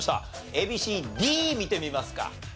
ＡＢＣＤ見てみますか？